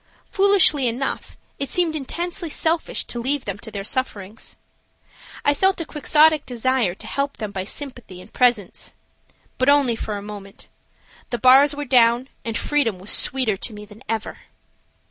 Foolishly enough, it seemed intensely selfish to leave them to their sufferings. I felt a Quixotic desire to help them by sympathy and presence. But only for a moment. The bars were down and freedom was sweeter to me than ever.